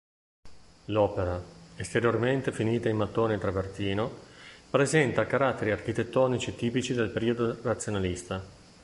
L'opera, esteriormente finita in mattoni e travertino, presenta caratteri architettonici tipici del periodo razionalista.